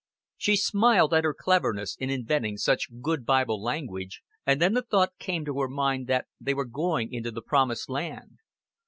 She smiled at her cleverness in inventing such good Bible language, and then the thought came to her mind that they were going into the promised land.